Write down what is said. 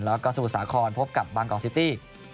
แล้วก็สมุทรสาครพบกับบางกอกซิตี้